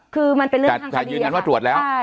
คือมันเป็นเรื่องทางคดีค่ะแต่ยืนกันว่าตรวจแล้วใช่